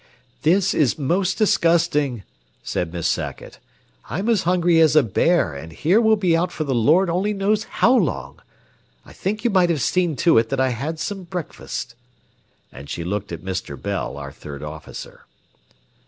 "This is most disgusting," said Miss Sackett. "I'm as hungry as a bear, and here we'll be out for the Lord only knows how long. I think you might have seen to it that I had some breakfast." And she looked at Mr. Bell, our third officer.